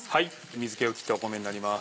水気を切った米になります。